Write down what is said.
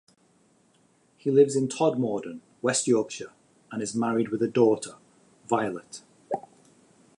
He lives in Todmorden, West Yorkshire and is married with a daughter, Violet.